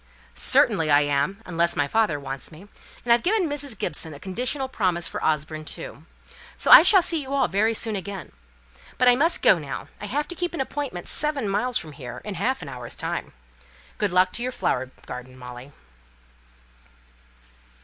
"Certainly, I am, unless my father wants me; and I've given Mrs. Gibson a conditional promise for Osborne, too. So I shall see you all very soon again. But I must go now. I have to keep an appointment seven miles from here in half an hour's time. Good luck to your flower garden, Molly."